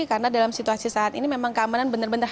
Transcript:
karena dalam situasi saat ini memang keamanan benar benar harus